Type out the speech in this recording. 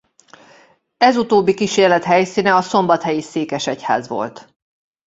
Ez utóbbi kísérlet helyszíne a Szombathelyi székesegyház volt.